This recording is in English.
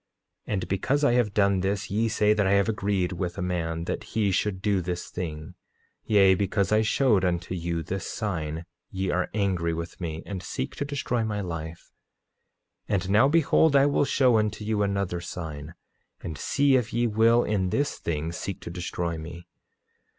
9:24 And because I have done this, ye say that I have agreed with a man that he should do this thing; yea, because I showed unto you this sign ye are angry with me, and seek to destroy my life. 9:25 And now behold, I will show unto you another sign, and see if ye will in this thing seek to destroy me.